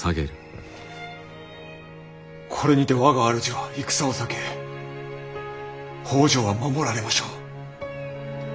これにて我が主は戦を避け北条は守られましょう。